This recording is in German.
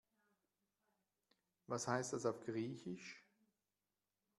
Was heißt das auf Griechisch?